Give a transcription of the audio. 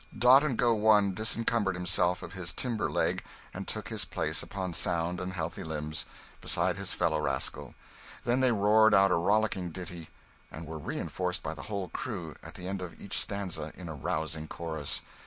Dot and go One disencumbered himself of his timber leg and took his place, upon sound and healthy limbs, beside his fellow rascal; then they roared out a rollicking ditty, and were reinforced by the whole crew, at the end of each stanza, in a rousing chorus.